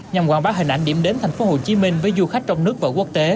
nhằm hoàn bác hình ảnh điểm đến tp hcm với du khách trong nước và quốc tế